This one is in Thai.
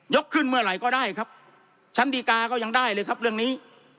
ขึ้นเมื่อไหร่ก็ได้ครับชั้นดีกาก็ยังได้เลยครับเรื่องนี้